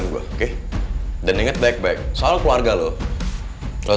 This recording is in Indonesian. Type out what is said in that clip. nanti saya balik ke rumah